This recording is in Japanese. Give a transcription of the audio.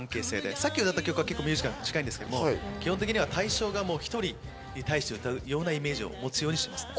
さっき歌った曲はミュージカルに近いですけど、対象が１人に対して歌うようなイメージを持つようにしています。